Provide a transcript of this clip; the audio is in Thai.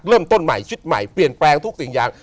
เริ่มต้นใหม่ชุดใหม่เปลี่ยนแปลงทุกสิ่งอย่าง